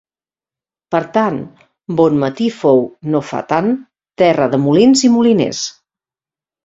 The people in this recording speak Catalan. Per tant, Bonmatí fou, no fa tant, terra de molins i moliners.